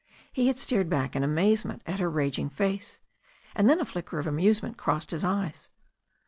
He had stared back in amazement at her raging face, and then a flicker of amusement crossed his eyes.